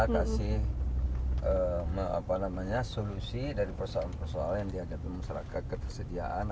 kasih solusi dari persoalan persoalan yang dianggap memusraka ketersediaan